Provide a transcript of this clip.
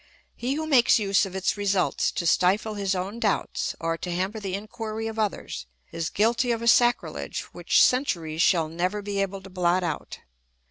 He who makes use of its results to stifle his own doubts, or to hamper the inquiry of others, is guilty of a sacrilege which centuries shall never be able to blot out.